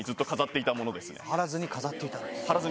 貼らずに飾っていたんですね。